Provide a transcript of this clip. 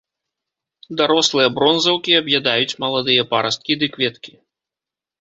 Дарослыя бронзаўкі аб'ядаюць маладыя парасткі ды кветкі.